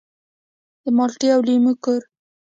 د مالټې او لیمو کور.